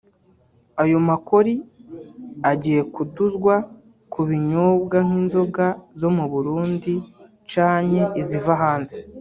Ayo makori agiye kuduzwa ku binyobwa nk’inzoga zo mu Burundi canke iziva hanze